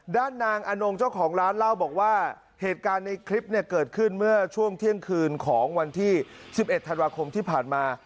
ด้านนางอนงเจ้าของร้านเล่าบอกว่าเหตุการณ์ในคลิปเนี่ยเกิดขึ้นเมื่อช่วงเที่ยงคืนของวันที่๑๑ธันวาคมที่ผ่านมา